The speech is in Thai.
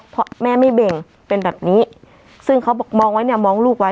เพราะแม่ไม่เบ่งเป็นแบบนี้ซึ่งเขาบอกมองไว้เนี่ยมองลูกไว้